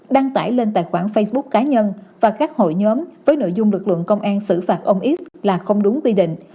đăng tải lên tài khoản facebook cá nhân và các hội nhóm với nội dung lực lượng công an xử phạt ông x là không đúng quy định